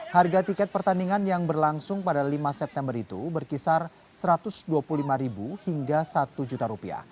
harga tiket pertandingan yang berlangsung pada lima september itu berkisar rp satu ratus dua puluh lima hingga rp satu